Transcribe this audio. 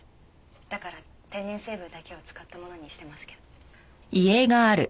だから天然成分だけを使ったものにしてますけど。